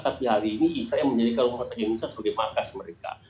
tapi hari ini saya menjadikan rumah sakit indonesia sebagai markas mereka